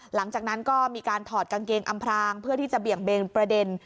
หลังจากนั้นก็มีการถอดกางเกงอำพรางเพื่อที่จะเบี่ยงเบนประเด็น